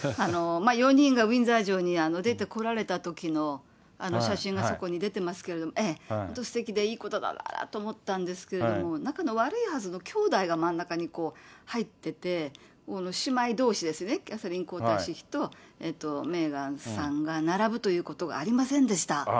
４人がウィンザー城に出てこられたときの写真がそこに出てますけれども、本当、すてきで、いいことだなと思ったんですけれども、仲の悪いはずのきょうだいが真ん中に入ってて、姉妹どうしですね、キャサリン皇太子妃とメーガンさんが並ぶということがありませんでした。